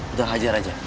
udah hajar saja